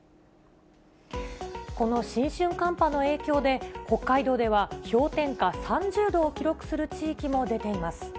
この新春寒波の影響で、北海道では氷点下３０度を記録する地域も出ています。